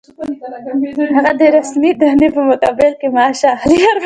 هغه د رسمي دندې په مقابل کې معاش اخلي.